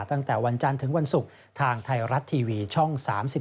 ตั้งแต่วันจันทร์ถึงวันศุกร์ทางไทยรัฐทีวีช่อง๓๒